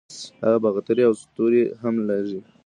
هغه به غاترې او توري هم لیږي.